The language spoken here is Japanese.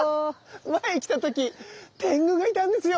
前に来た時天狗がいたんですよ